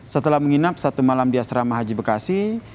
setelah menginap satu malam di asrama haji bekasi